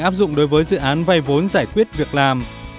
áp dụng đối với dự án vay vốn giải quyết việc làm